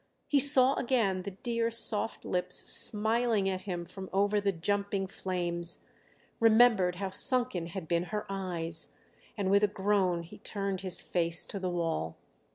He saw again the dear soft lips smiling at him from over the jumping flames, remembered how sunken had been her eyes, and with a groan he turned his face to the wall.